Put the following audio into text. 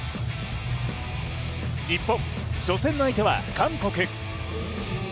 日本、初戦の相手は韓国。